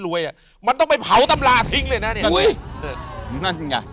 รวยอะมันต้องไปเผาตำราทิ้งเลยนะ